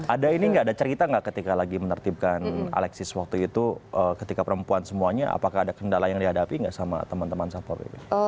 ada ini nggak ada cerita nggak ketika lagi menertibkan alexis waktu itu ketika perempuan semuanya apakah ada kendala yang dihadapi nggak sama teman teman satpol pp